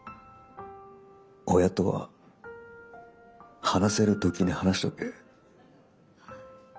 親とは話せる時に話しとけ。